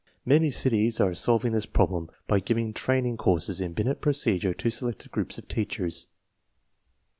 Many cities are solving this problem by giving training courses in Binet procedure to selected groups of teachers.